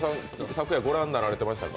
昨夜、ご覧になられてましたか？